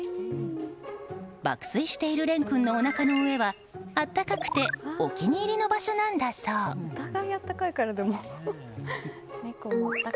爆睡している蓮君のおなかの上は温かくてお気に入りの場所なんだそうです。